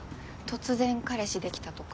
突然彼氏できたとか？